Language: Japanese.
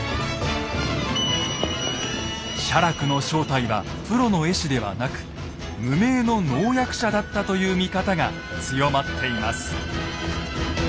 写楽の正体はプロの絵師ではなく無名の能役者だったという見方が強まっています。